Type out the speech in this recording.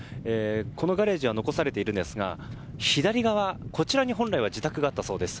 このガレージは残されているんですが左側、こちらに本来は自宅があったそうです。